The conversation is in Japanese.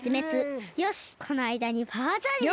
よしこのあいだにパワーチャージです。